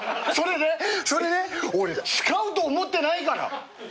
それねそれね俺使うと思ってないから！